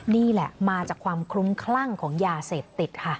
นี่แหละมาจากความคลุ้มคลั่งของยาเสพติดค่ะ